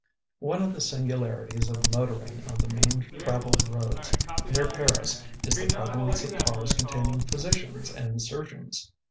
One of the singularities of motoring on the main travelled roads near Paris is the prevalence of cars containing physicians and surgeons.